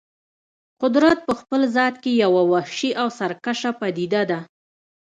قدرت په خپل ذات کې یوه وحشي او سرکشه پدیده ده.